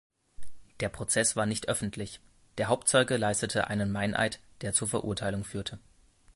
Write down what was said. Der Prozess war nicht öffentlich, der Hauptzeuge leistete einen Meineid, der zur Verurteilung führte.